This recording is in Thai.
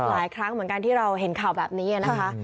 หลายครั้งเหมือนกันที่เราเห็นข่าวแบบนี้นะคะ